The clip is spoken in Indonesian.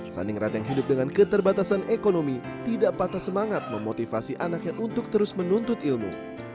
saningrat yang hidup dengan keterbatasan ekonomi tidak patah semangat memotivasi anaknya untuk terus menuntut ilmu